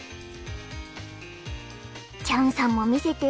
チャンさんも見せて。